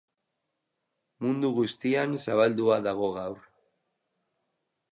Mundu guztian zabaldua dago gaur.